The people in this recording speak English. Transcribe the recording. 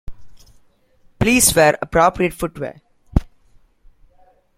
Please wear appropriate footwear.